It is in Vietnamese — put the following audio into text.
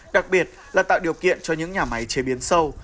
đặc biệt là tạo điều kiện cho những nhà máy chế biến sâu